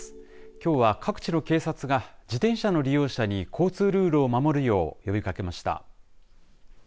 きょうは各地の警察が自転車の利用者に交通ルールを守るよう呼びかけました。